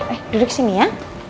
eh duduk sini ya